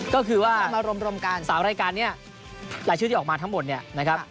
ก็คือว่ามารวมกัน๓รายการเนี่ยรายชื่อที่ออกมาทั้งหมดเนี่ยนะครับ